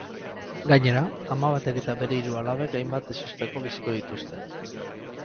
Gainera, ama batek eta bere hiru alabek hainbat ezusteko biziko dituzte.